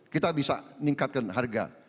kita bisa meningkatkan harga